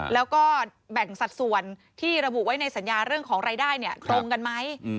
แล้วก็แบ่งสัดส่วนที่ระบุไว้ในสัญญาเรื่องของรายได้ตรงกันไหม